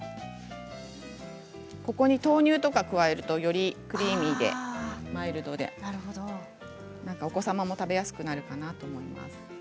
ここに豆乳とかを加えるとよりクリーミーでマイルドでお子様も食べやすくなるかなと思います。